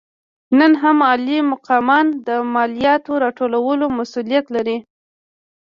نن هم عالي مقامان د مالیاتو راټولولو مسوولیت لري.